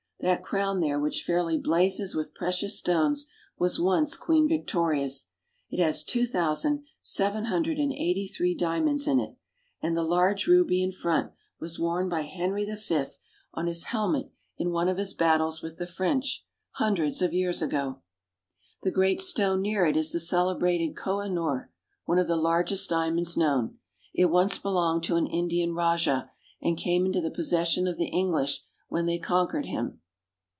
That crown there which fairly blazes with precious stones was once Queen Victoria's. It has two thousand, seven hundred and eighty three diamonds in it, and the large ruby in front was worn by Henry V on his 74 ENGLAND. helmet in one of his battles with the French, hundreds of years ago. The great stone near it is the celebrated Koh i noor, one of the largest diamonds known. It once belonged to an Indian rajah, and came into the possession of the English when they conquered him.